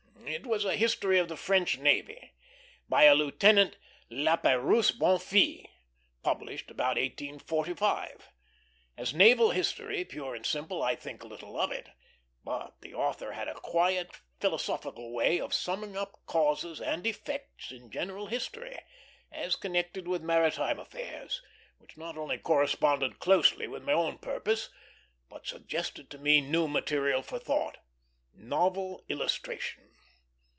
It was a history of the French navy, by a Lieutenant Lapeyrouse Bonfils, published about 1845. As naval history pure and simple, I think little of it; but the author had a quiet, philosophical way of summing up causes and effects in general history, as connected with maritime affairs, which not only corresponded closely with my own purpose, but suggested to me new material for thought novel illustration.